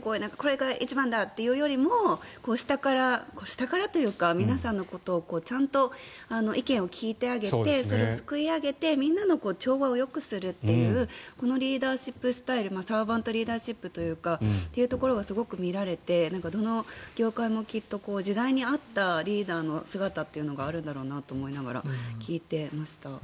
これが一番だというよりも下から下からというか皆さんのことの意見をちゃんと聞いてあげてそれをすくいあげてみんなの調和をよくするというこのリーダーシップスタイルというのがすごく見られてどの業界もきっと時代に合ったリーダーの姿があるんだろうなと思いながら聞いてました。